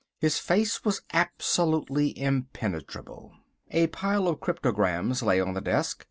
His face was absolutely impenetrable. A pile of cryptograms lay on the desk.